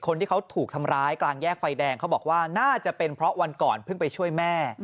คนที่เขาถูกทำร้ายกลางแยกไฟแดงเขาบอกว่าน่าจะเป็นเพราะวันก่อนเพิ่งไปช่วยแม่